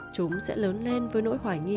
chúng sẽ lớn lên với nỗi hoài nghi